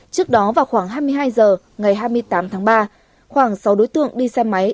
trước đó vào khoảng hai mươi hai h ngày hai mươi tám tháng ba khoảng sáu đối tượng đi xe máy